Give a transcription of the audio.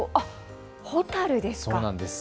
ホタルですか。